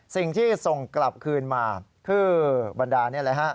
สิ่งที่ส่งกลับคืนมาคือบรรดานี่แหละฮะ